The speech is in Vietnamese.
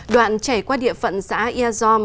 đoạn chảy qua địa phận xã iazom